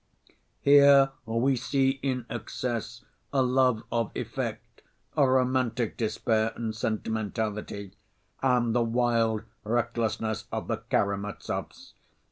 "Here we see in excess a love of effect, a romantic despair and sentimentality, and the wild recklessness of the Karamazovs.